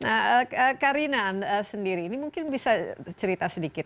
nah karina sendiri ini mungkin bisa cerita sedikit